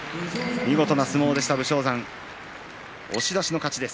見事な相撲で武将山押し出しの勝ちです。